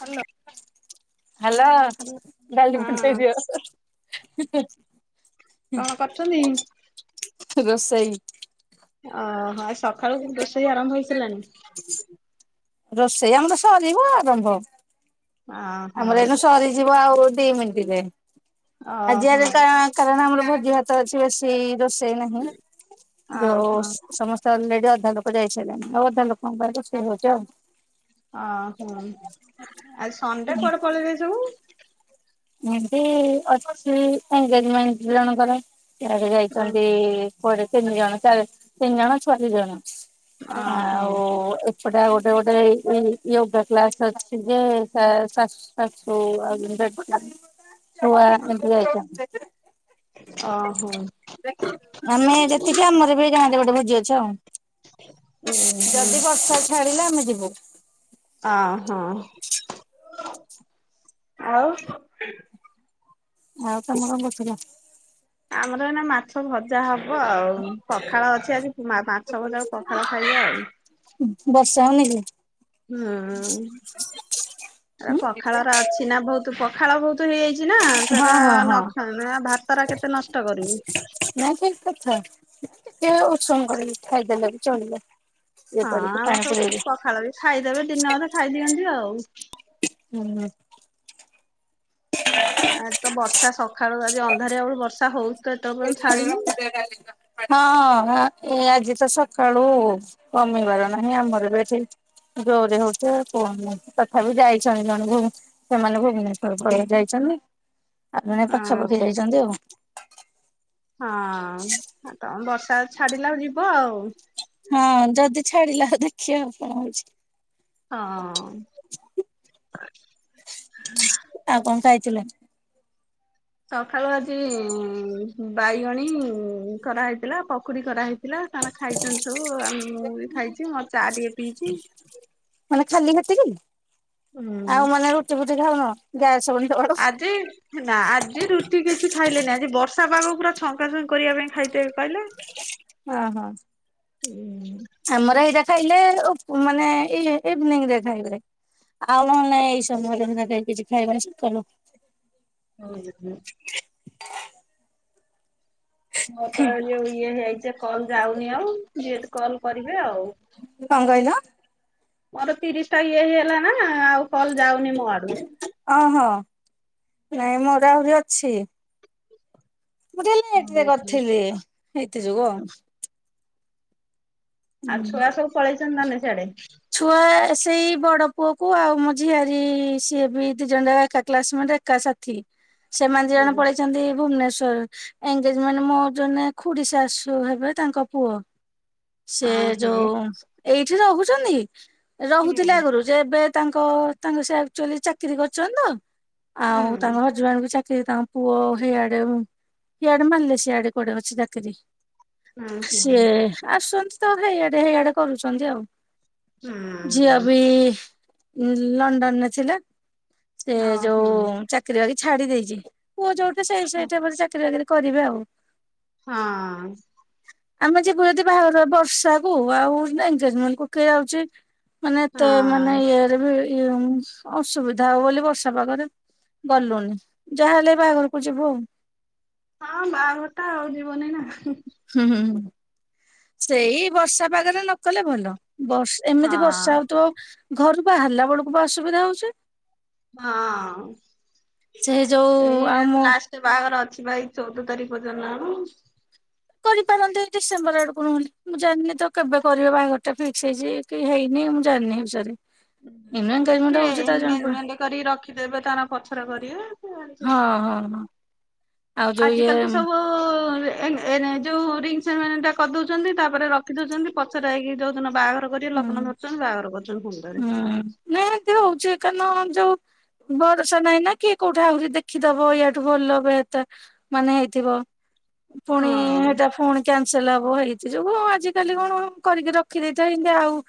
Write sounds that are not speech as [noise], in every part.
Hello hello ଡାଲି ଫୁଟେଇ ହଁ ଦିଅ। [unintelligible] କଣ କରୁଛନ୍ତି? ରୋଷେଇ। ଅହ ଆଜି ସକାଳୁ ରୋଷେଇ ଆରମ୍ଭ ହେଇସାରିଲାଣି। ରୋଷେଇ ଆମର ସରିବ। ଆରମ୍ଭ ଓହୋ ଆମର ଏଇ ନୁ ସରିଯିବ ଆଉ ଦି ମିନିଟ୍ ରେ। ଆଜି ଓହୋ ଆରେ କା କାରଣ ଆମର ଭୋଜି ଭାତ ଅଛି ବେଶୀ ରୋଷେଇ ନାହିଁ। ଯୋଉ ଓହୋ ସମ ତ ଅଲରେଡି ଅଧା ଲୋକ ଯାଇସାଇଲେଣି ଆଉ ଅଧା ଲୋକଙ୍କ ପାଇଁ ରୋଷେଇ ହଉଛି ଆଉ। ଓହୋ ଆଜି ସଣ୍ଡେ କୁଆଡେ ପଳେଇଲେ ସବୁ? ଏମତି ଅଛି ଏନଗେଜମେଣ୍ଟ ଜଣଙ୍କର ଆଜି ଓହୋ ଯାଇଛନ୍ତି। ପରେ ତିନି ଜଣ ଚାରି ତିନି ଜଣ ଛୁଆ ଦି ଜଣ ଓହୋ ଆଉ [inaudible] ଗୋଟେ ଗୋଟେ ହେଇକି ୟୋଗା କ୍ଲାସ ଅଛି ଯେ ସା ସାସୁ ଶାଶୂ [inaudible] ଅହୋ। ଆମେ ଯେତିକି ଆମର ବି ଗାଁ ରେ ଗୋଟେ ଭୋଜି ଅଛି ଆଉ। ଓହୋ ଯଦି ବର୍ଷା ଛାଡିଲା ଆମେ ଯିବୁ। ଅ ହଁ ଆଉ। ଆଉ ତମେ କଣ କରୁଥିଲ? ଆମର ଏ ନା ମା ଭଜା ହବ ଆଉ ପଖାଳ ଅଛି ଆଜି ମାଛ ଭଜା କୁ ପଖାଳ ଖାଇବେ ଆଉ। ବର୍ଷା ହଉନି କି? ହୁଁ ପଖାଳ ରା ଅଛି ନା ବହୁତ ପଖାଳ ବହୁତ ହେଇଯାଇଛି। ନା ହଁ ସେରା ହଁ ହଁ ନଖା ଭାତ ରା କେତେ ନଷ୍ଟ କରିବୁ। ନା ଠିକ କଥା ଟିକେ ଉଷୁମ କରିକି ଖାଇଦେଲେ ବି ଚଳିବ। ଇଏ ହଁ କରିକି ଆମର ପାଣି ସବୁ ପୁରେଇକି। ପଖାଳ ବି ଖାଇଦେବେ ଦିନେ ଅଧେ ଖାଇଦିଅନ୍ତି ଆଉ। ହୁଁ। ଆଜି ତ ବର୍ଷା ସକାଳୁ ଆଜି ଅନ୍ଧାରିଆ ବେଳୁ ବର୍ଷା ହଉଛିତ ଏତେ [inaudible] ହଁ ଏ ଆଜି ତ ସକାଳୁ କମିବାର ନାହିଁ ଆମର ବି ଏଠି। ଜୋରେ ହଉଛି କୁହନି ତଥାପି ଯାଇଛନ୍ତି [inaudible] ସେମାନେ ଭୁବନେଶ୍ଵର ପଳେଇ ଯାଇଛନ୍ତି ଆଉ ଜଣେ ପାଖାପାଖି ଯାଇଛନ୍ତି ଆଉ। ହଁ ତମେ ବର୍ଷା ଛାଡିଲା ଯିବ ଆଉ। ହଁ ଯଦି ଛାଡିଲା ଦେଖିବା ଆଉ କଣ ହଉଛି। ହଁ। ଆଉ କଣ ଖାଇଥିଲେ? ସକାଳୁ ଆଜି ଉ ବାଇଗଣୀ କରାହେଇଥିଲା ପକୁଡି କରାହେଇଥିଲା। ଏ ମାନେ ଖାଇଛନ୍ତି ସବୁ ଆଉ ମୁଁ ବି ଖାଇଛି ମୋର ଚା ଟିକେ ପିଇଛି। ମାନେ ଖାଲି ହେତିକି ହୁଁ। ଆଉ ମାନେ ରୁଟି ଫୁଟି ଖାଉନ ଗ୍ୟାସ ହବନି ତମର। ଆଜି। ନା ଆଜି ରୁଟି କିଛି ଖାଇଲେନି ଆଜି ବର୍ଷା ପାଗ ପୁରା ଛଙ୍କା ଛଙ୍କି କରିବା ପାଇଁ ଖାଇଥେ କହିଲେ। ହଁ ହଁ ଆମର ଏଇଟା ଖାଇଲେ ଓ ପ୍ ମାନେ ଇ ଇଭିନିଂ ରେ ଖାଇବେ। ଆଉ ନାଇଁ ଏଇ ସମୟରେ [unintelligible] କିଛି ଖାଇବା ନାହିଁ ସବୁ ଚଲୋ। ହୁଁ ହୁଁ। ମୋର ତ ଯଉ ଇଏ ହେଇଚି କଲ୍ ଯାଉନି ଆଉ ଯିଏତ୍ କଲ କରିବେ ଆଉ। କଣ କହିଲ? ମୋର ତିରିଶ ଟା ଇଏ ହେଇଗଲା ନା ଆଉ କଲ ଯାଉନି ମୋ ଆଡୁ। ଓହୋ ନାଇଁ ମୋର ଆହୁରି ଅଛି। ମୁଁ ଟିକେ ଲେଟ୍ ରେ ହୁଁ କରିଥିଲି ହେଇଥି ଯୋଗୁ ଆଉ। ଆଉ ହୁଁ। ଛୁଆ ସବୁ ପଳେଇଚନ୍ତି ନା ନାଇଁ ସିଆଡେ। ଛୁଆ ସେଇ ବଡ ପୁଅ କୁ ଆଉ ମୋ ଝିଆରି ସିଏ ବି ଦି ଜଣ ଯାକ ଏକା କ୍ଲାସ ମେଣ୍ଟେ। ଏକା ସାଥି ସେମାନେ ଦି ଜଣ ପଳେଇଚନ୍ତି ଭୁବନେଶ୍ୱର। ଏନଗେଜମେଣ୍ଟ୍ ମୋ ଜଣେ ଖୁଡି ଶାଶୁ ହେବେ ତାଙ୍କ ପୁଅ। ସେ ଅଁ ହଁ ଯୋଉ ଏଇଠି ରହୁଛନ୍ତି ହୁଁ ରହୁଥିଲେ ଆଗରୁ। ଯେ ଏବେ ତାଙ୍କ ତାଙ୍କ ସେ ଆକ୍ଚୁଆଲି ଚାକିରୀ କରିଚନ୍ତି ତ ହୁଁ ଆଉ ହୁଁ। ତାଙ୍କ ହଜବେଣ୍ଡ ବି ଚାକ୍ ସେ ତାଙ୍କ ପୁଅ ହେଇଆଡେ ଉଁ ହିଆଡେ ମାଲେସିଆ ଆଡେ କୁଆଡେ ଅଛି ଚାକିରି ହୁଁ ସିଏ ଆସୁଚନ୍ତି ତ ହେଇଆଡେ ହେଇଆଡେ କରୁଚନ୍ତି ଆଉ। ଝିଅ ହୁଁ ବି ଲଣ୍ଡନରେ ଥିଲା ସେ ଓହୋ ଯୋଉ ଚାକ୍ ଚାକିରି ବାକିରି ଛାଡି ଦେଇଚି। ପୁଅ ଯୋଉଠି ସେଇ ହଁ। ସେଇଠି ଚାକିରି ବାକିରି କରିବେ ଆଉ। ହଁ ଆମେ ଯିବୁ ଯଦି ବାହାଘର ବର୍ଷା କୁ ଆଉ ଏନଗେଜମେଣ୍ଟ କୁ କିଏ ଯାଉଚି। ମାନେ ଏତେ ମେ ମାନେ ହଁ ଇଆଡେ ବି ଇଉମ୍ ଅସୁବିଧା ହବ ବୋଲି ବର୍ଷା ପାଗରେ ଗଲୁନି। ଯାହାହେଲେ ବାହାଘରକୁ ଯିବୁ ଆଉ। ହଁ ବାହାଘରଟା ଆଉ ଯିବୁନି ନା ହୁଁ ହୁଁ ହୁଁ ହୁଁ ହୁଁ ସେଇ ବର୍ଷା ପାଗରେ ନ କଲେ ଭଲ ବର୍ଷ ଏମିତି ହଁ। ବର୍ଷା ହଉଥୁବ। ଘରୁ ବାହାରିଲା ବେଳକୁ ବା ଅସୁବିଧା ହଉଛି। ହଁ ସେ ଯୋଉ ଆଉ ଏଇଆ ତ ମୁଁ ଲାଷ୍ଟ। ବାହାଘର ଅଛି ପା ଏଇ ଚଉଦ ତାରିଖ ପର୍ଯ୍ୟନ୍ତ ନା କଣ। କରିପାରନ୍ତି ଡିସେମ୍ବର ଆଡକୁ ନହଲେ ମୁଁ ଜାଣିନି ତ କେବେ କରିବେ ବାହାଘର ଟା ଫିକ୍ସ ହେଇଚି। କି ହେଇନି ମୁଁ ଜାଣିନି ହେ ବିଷୟରେ। ଏଇନୁ ଏନଗେଜମେଣ୍ଟ କି ହଉଛି ତା ଜଣା ପଡେ ଏନଗେଜମେଣ୍ଟ କରିକି ରଖିଦେବେ ତାର ପଛରେ କରିବେ [inaudible] ହଁ ହଁ ହଁ ଆଉ ଯୋଉ ଇଏ ଏନେ ଏନେ ଯୋଉ ରିଙ୍ଗ ସେରିମନି ଟା କରିଦଉଚନ୍ତି ତାପରେ ରଖିଦଉଚନ୍ତି ପଛରେ ହେଇକି ଯୋଉ ଦିନ ବାହାଘର କରି ହୁଁ ଲଗ୍ନ ଧରୁଚନ୍ତି ବାଘର କରୁଚନ୍ତି ଫୁଣି ଥରେ। ହୁଁ ନାଇଁ ଏମତି ରେ ହଉଚି କାରଣ ଯୋଉ ଭରସା ନାଇଁ ନା କିଏ କୋଉଠି ଆହୁରି ଦେଖିଦବ ଇଆଠୁ ଭଲ [unintelligible] ମାନେ ହେଇଥିବ। ପୁଣି ହଁ ହେଟା ପୁଣି କ୍ୟାନସେଲ ହବ ହେଇଥି ଯୋଗୁ ଆଜିିକାଲି କଣ କରିକି ରଖିଦେଇଥାଇ। ଯାହା ଆଉ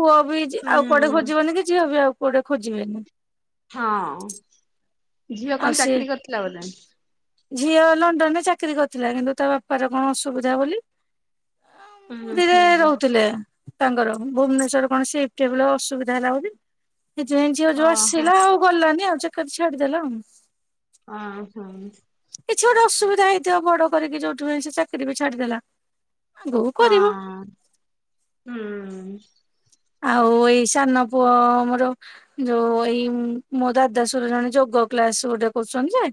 ପୁଅ ବି ଜି ଆଉ କୁଆଡେ ହୁଁ ଖୋଜିବେନି କି ଝିଅ ବି ଆଉ କୁଆଡେ ଖୋଜିବେନି। ହଁ ଝିଅ ଆଉ କଣ ସେ ଚାକିରି କରିଥିଲା ବୋଧେ। ଝିଅ ଲଣ୍ଡନ ରେ ଚାକିରି କରିଥିଲା କିନ୍ତୁ ତା ବାପାର କଣ ଅସୁବିଧା ବୋଲି ଅଉଁ ହୁଁ ପୁରୀରେ ହୁଁ ରହୁଥିଲେ। ତାଙ୍କର ଭୁବନେଶ୍ୱରରେ କଣ ସିପ୍ଟି ହେବେ ଅସୁବିଧା ହେଲା ବୋଲି। କିଛିନାଇ ଝିଅ ଯୋଉ ଓହୋ ଆସିଲା ଆଉ ଗଲାନି ଆଉ ଚାକିରୀ ଛାଡିଦେଲା ଆଉ। ଆଁ ହାମ୍। କିଛି ଗୋଟେ ଅସୁବିଧା ହେଇଥିବ ବଡ କରିକି ଯୋଉଠି ପାଇଁ ସେ ଚାକିରି ବି ଛାଡିଦେଲା। ଆଗକୁ କରିବ ହଁ ହୁଁ। ଆଉ ଏଇ ସାନ ପୁଅ ମୋର ଯୋଉ ଏଇ ମୋ ଦାଦାସୁର ଜଣେ ଯୋଗ କ୍ଲାସ ଗୋଟେ କରୁଛନ୍ତି ଯେ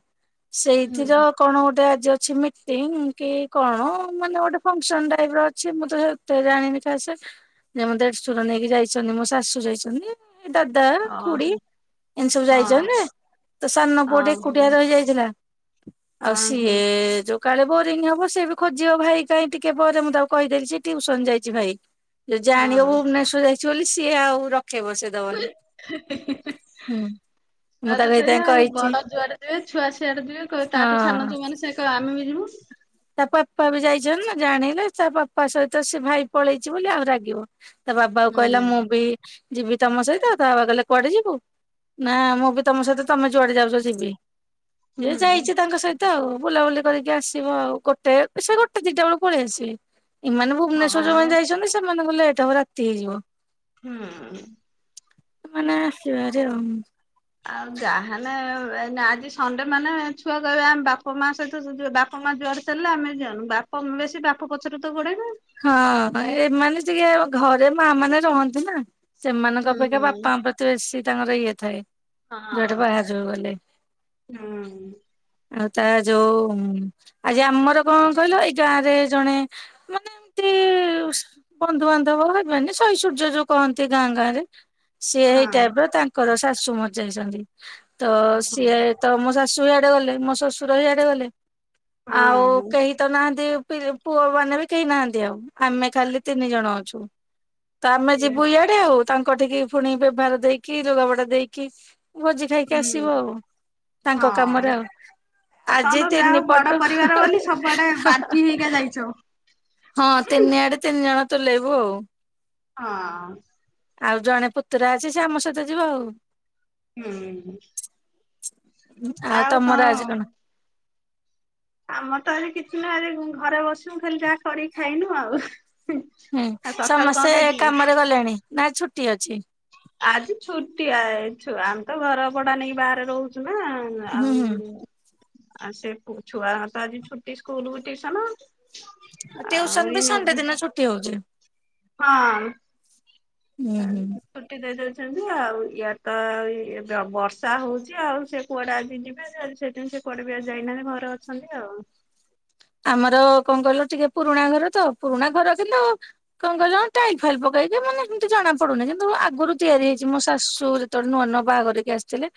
ସେଇଥିର ହୁଁ କଣ ଗୋଟେ ଆଜି ଅଛି ମିଟିଂ କି କଣ ମାନେ ଗୋଟେ ଫଙ୍କସନ ଟାଇପ ର ଅଛି ମୁଁ ତ ତୋ ଜାଣିନି ସେ ଯେ ମୋ ଦେଢଶୁର ନେଇକି ଯାଇଛନ୍ତି ମୋ ଶାଶୁ ଯାଇଛନ୍ତି। ଦାଦା ଖୁଡି। ଓହୋ ଏମିତି ସବୁ ଯାଇଛନ୍ତି ଯେ ହଁ ତ ସାନ ପୁଅଟି ହଁ ଏକୁଟିଆ ରହିଯାଇଥିଲା -ଆଉ ସିଏ ହଁ ଏ ଯୋ କାଳେ ବୋରିଂ ହବ ସେ ବି ଖୋଜିବ ଭାଇ କାଇ ଟିକେ ପରେ ମୁଁ ତାକୁ କହିଦେଇଛି ଟିଉସନ ଯାଇଛି ଭାଇ। ଜାଣିବ ଭୁବନେଶ୍ଵର ଯାଇଛି ବୋଲି ସିଏ ଆଉ ରଖେଇବ ବସେଇ ଦବନି ହଁ। ହୁଁ। ମୁଁ ଛୁଆ ତ ତାକୁ ଏଇଥିପାଇଁ ସେଇଆଉ କହିଛି ବଡ ଯୁଆଡେ ଯିବେ ଛୁଆ ସିଆଡେ ଯିବେ ତାଠୁ ସାନ ହଁ। ଯୋଉମାନେ ସେ ଆମେ ବି ଯିବୁ। ତା ପାପା ବି ଯାଇଛନ୍ତି ନା ଜାଣିଲେ ତା ପାପା ସହିତ ସେ ଭାଇ ପଳେଇଛି ବୋଲି ଆଉ ରାଗିବନି। ତା ବାପାକୁ କହିଲା ହୁଁ। ମୁଁ ବି ଯିବି ତମ ସହିତ ତା ବାପା କହିଲେ କୁଆଡେ ଯିବୁ। ନା ମୁଁ ବି ତମ ସହିତ ତମେ ଯୁଆଡେ ଯାଉଛ ଯିବି। ହେ ହୁଁ ଯାଇଚି ତାଙ୍କ ସହିତ ଆଉ ବୁଲାବୁଲି କରିକି ଆସିବ ଆଉ। ଗୋଟେ ସେ ଗୋଟେ ଦିଟା ବେଳେ ପଳେଇଆସିବେ ଏମାନେ ଭୁବନେଶ୍ୱର ଯୋଉମାନେ ହଁ ଯାଇଛନ୍ତି ସେମାନଙ୍କୁ ଲେଟ ହବ ରାତି ହେଇଯିବ। ହୁଁ ମାନେ ଆସିବେ ଭାରି ଆଉ। ଆଉ ଯାହାନେ ଆଜି ସଣ୍ଡେ ମାନେ ଛୁଆ କହିବେ ଆମ ବାପା ମା ସହିତ ବା ବାପ ମା ଜୁଆଡେ ଚାଲିଲେ ଆମେ ଯାଉ ବେଶୀ ବାପ ପଛରେ ତ ଗୋଡେଇବେ। ହଁ ଏମାନେ ଟିକେ ଘରେ ମା ମାନେ ରହନ୍ତି ନା। ସେମାନଙ୍କ ଅପେକ୍ଷା ହୁଁ। ବାପାଙ୍କ ପ୍ରତି ବେଶୀ ତାଙ୍କର ଇଏ ଥାଏ। ଯୁଆଡେ ହଁ ବାହାଜ ଗଲେ। ହୁଁ ଆଉ ତା ଯୋଉ ଆଜି ଆମର କଣ କହିଲ ଏଇ ଗାଁ ରେ ଜଣେ ମାନେ ଏମିତି ଇ ବନ୍ଧୁବାନ୍ଧବ ହେବେନି ଶୈସୂର୍ଯ୍ୟ ଯୋଉ କହନ୍ତି ଗାଁ ଗାଁ ରେ। ସିଏ ହେଇ ହଁ ଟାଇପ ର ତାଙ୍କର ଶାଶୁ ମରିଯାଇଛନ୍ତି ତ ଓହୋ ସିଏ ତ ମୋ ଶାଶୁ ଇଆଡେ ଗଲେ ମୋ ଶଶୁର ଇଆଡେ ଗଲେ ଆଉ ହଁ କେହି ତ ନାହାନ୍ତି ପି ପୁଅ ମାନେ ବି କେହିନାହାନ୍ତି ଆଉ ଆମେ ଖାଲି ତିନି ଜଣ ଅଛୁ ତ ଆମେ ଇଏ ଯିବୁ ୟା ଡେ ଆଉ ତାଙ୍କ କତିକି ପୁଣି ବେବହାର ଦେଇକି ଲୁଗା ପଟା ଦେଇକି ଭୋଜି ଖାଇକି ହୁଁ ଆସିବୁ ଆଉ ତାଙ୍କ ହଁ। କାମରେ ଆଉ। ଆଉ ଆଜି ତମର ଯାହା ତିିନି ହଉ ବଡ ପଟ ହଁ ପରିବାର ବୋଲି ସବୁଆଡେ ବାଣ୍ଟି ହଁ। ହେଇକା ଯାଇଛ ହଁ ହଁ ତିନି ଆଡେ ତିନି ଜଣ ତୁଲେଇବୁ ଆଉ। ହଁ। ଆଉ ଜଣେ ପୁତୁରା ଅଛି ସେ ଆମ ସହିତ ଯିବ ଆଉ। ହୁଁ। ଆଉ ତମର ଆଜି କଣ? ଆମର ତ ଆଜି କିଛି ନା ଘରେ ବସିବୁ ଖାଲି ଯାହା କରିକି ଖାଇନୁ ଆଉ। ହୁଁ ଆଉ ସକାଳୁ କଣ ସମସ୍ତେ ଖାଇଥିଲେ? କାମରେ ଗଲେଣି ନା ଛୁଟି ଅଛି। ଆଜି ଛୁଟି ଆଇଛୁ ଆମେ ତ ଘର ଭଡା ନେଇକି ବାହାରେ ରହୁଛୁ ନା। ହୁଁ ହୁଁ ଆଉ ସେ ଛୁଆ ତ ଆଜି ଛୁଟି ସ୍କୁଲ ଟୁଇଁସନ। ଆ ଟିଉସନ ବି ସଣ୍ଡେ ଦିନ ଛୁଟି ହଉଛି। ହଁ। ହୁଁ ହୁଁ ଛୁଟି ଦେଇଦଉଛନ୍ତି ଆଉ ୟଏ ତ ବର୍ଷା ହଉଛି ଆଉ ସେ କୁଆଡା ଆଜି ଯିବେ ଯଲେ ସେଦିନ ସେ କୁଆଡ଼େ ଆଜି ଯାଇନାହାନ୍ତି ଘରେ ଅଛନ୍ତି ଆଉ। ଆମର କଣ କହିଲ ଟିକେ ପୁରୁଣା ଘର ତ ପୁରୁଣା ଘର କିନ୍ତୁ କଣ କହିଲ ଟାଇଲ୍ ଫାଇଲ ପକେଇ କି ମାନେ ସେମିତି ଜଣା ପଡୁନି କିନ୍ତୁ ଆଗୁରୁ ତିଆରି ହେଇଛି ମୋ ଶାଶୁ ଯେତେବେଳେ ନୂଆ ନୂଆ ବାହାଘରିକି ଆସିଥିଲେ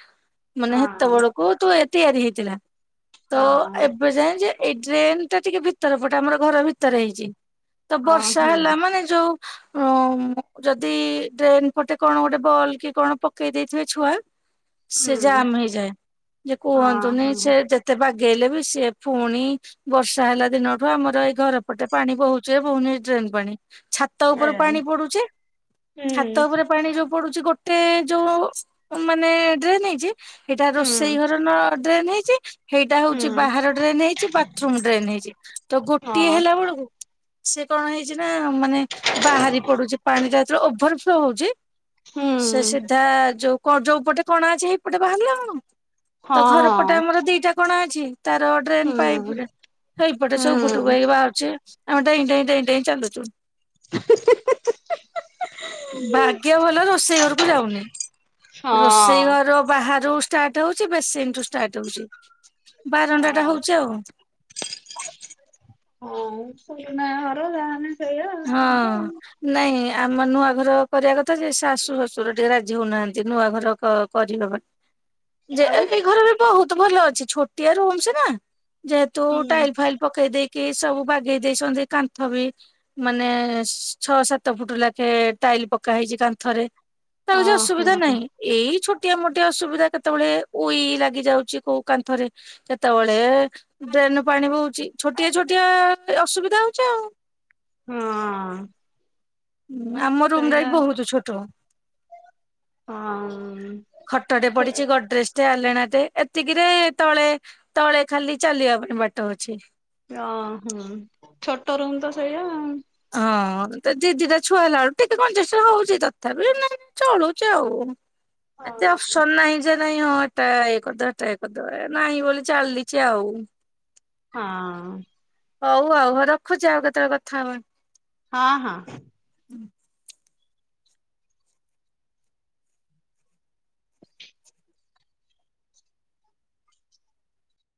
ମାନେ ସେତେ ହଁ ବେଳ କୁ ତୁ ଏ ତିଆରି ହେଇଥିଲା ତ ହଁ ଏବେ ଯାଏ ଯେ ଏଇ ଡ୍ରେନ ଟା ଟିକେ ଭିତର ପଟେ ଆମର ଘର ଭିତରେ ହେଇଛି ତ ହଁ ବର୍ଷା ହେଲା ହଁ ମାନେ ଯୋଉ ଓ ଯଦି ଡ୍ରେନ ପଟେ କଣ ଗୋଟେ ବଲ୍ କି କଣ ପକେଇ ଦେଇଥିବେ ଛୁଆ ସିଏ ହୁଁ। ଜାମ ହେଇଯାଏ ଯେ ହଁ କୁହନ୍ତୁନି ହଁ ସେ ଯେତେ ବାଗେଇଲେ ବି ସେ ପୁଣି ବର୍ଷା ହେଲା ଦିନଠୁ ଆମର ଏଇ ଘର ପଟେ ପାଣି ବହୁଛ ବହୁନି ଡ୍ରେନ ପାଣି ଚା ଛତ ଏ ଉପରେ ପାଣି ପଡୁଛେ ଛାତ ହୁଁ ଉପରେ ପାଣି ଯୋଉ ପଡୁଛି ଗୋଟେ ଯୋଉ ମାନେ ଡ୍ରେନ ହେଇଛି। ଏଇଟା ରୋଷେଇ ହୁଁ ଘର ଡ୍ରେନ୍ ହେଇଛି ସେଇଟା ହଉଛି ବାହାର ଡ୍ରେନ୍ ହେଇଛି ବା ବାଥରୁମ୍ ଡ୍ରେନ ହେଇଛି ତ ଗୋଟିଏ ହଁ ହେଲା ବେଳକୁ ସେ କଣ ହେଇଛି। ନା ମାନେ ବାହାରି ପଡୁଛି ପାଣି ଟା ଯେତେବେଳେ ଓଭର ଫ୍ଲୋ ହଉଛି। ସେ ହୁଁ ସିଧା ଯୋଉ ଯୋଉପଟେ କଣା ଅଛି ସେଇପଟେ ବାହାରିଲା ଆଉ କଣ। ତ ଘର ପଟେ ହଁ ଆମର ଦିଟା କଣା ଅଛି ତାର ଡ୍ରେନ୍ ହୁଁ ପାଇପରେ। ଏଇପଟେ ହଁ ସବୁ ବୁଟୁ ବାଇ ବାହାରୁଛି ଆମେ ଡେଇ ଡେଇ ଡେଇ ଡେଇ ଚାଲୁଚି। ଭାଗ୍ୟ ଭଲ ରୋଷେଇ ଘରକୁ ଯାଉନି। ରୋଷେଇ ଘର ବାହାରୁ ଷ୍ଟାର୍ଟ ହଉଛି ବେସିନ ଠୁ ଷ୍ଟାର୍ଟ ହଉଛି ବାରଣ୍ଡଟା ହଁ ହଉଛି ଆଉ। ହଁ ପୁରୁଣା ଘର ଯାହା ହେନେ ହଁ। ନାଇଁ ଆମ ନୂଆ ଘର କରିବା କଥା ଯେ ଶାଶୁ ଶଶୁର ଟିକେ ରାଜି ହଉନାହାନ୍ତି ନୂଆ ଘର କରିବା କରିହେବନି। ଯେ ଆଉ ଏଇ ଘର ବି ବହୁତ ଭଲ ଅଛି ଛୋଟିଆ ରୁମ ସିନା। ଯେହେତୁ ଟାଇଲ ଫାଇଲ ପକେଇ ଦେଇକି ସବୁ ବାଗେଇ ଦେଇଛନ୍ତି କାନ୍ଥ ବି। ମାନେ ଛଅ ସାତ ଫୁଟ ଲେଖେ ଟାଇଲ ପକା ହେଇଛି କାନ୍ଥରେ। ଆଉ କିଛି ଓହୋ ଅସୁବିଧା ନାହିଁ। ଏଇ ଛୋଟିଆ ମୋଟିଆ ଅସୁବିଧା କେତେବେଳେ ଉଇ ଲାଗି ଯାଉଛି କୋଉ କାନ୍ଥରେ। କେତେବେଳେ ଡ୍ରେନରୁ ପାଣି ବହୁଛି ଛୋଟିଆ ଛୋଟିଆ ଅସୁବିଧା ହଉଛି ଆଉ। ହଁ। ହୁଁ ଆମ ରୁମ ଟା ସେଇଟା ବି ବହୁତ ଛୋଟ। ହଁ। ଖଟଟେ ପଡିଛି ଗଡେସ ଏତ ଆଲେନାଟେ ଏତିକିରେ ତଳେ ତଳେ ଖାଲି ଚାଲିବା ପାଇଁ ବାଟ ଅଛି। ଅହୋ ଛୋଟ ରୁମ୍ ତ ସେଇଆ ଆଉ। ହଁ ଦିଦିଟା ଛୁଆ ହେଲା ବେଳୁ ଟିକେ କଜେସନ ହଉଛି ତଥାପି ଚଳୁଛି ଆଉ। ଏତେ ଅ ସନାହିଁ ଯେ ନାଇଁ ହଁ ଏଟା ଏ କରିଦ ଏଟା ଏ କରିଦ ଏ ନାହିଁ ବୋଲି ଚାଲିଛି ଆଉ। ହଁ! ହଉ ଆଉ ରଖୁଚି ଆଉ କେତେବେଳେ କଥା ହବା। ହଁ ହଁ!